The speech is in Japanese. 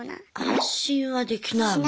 安心はできないもんね。